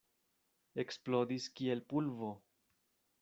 Eksplodis kiel pulvo.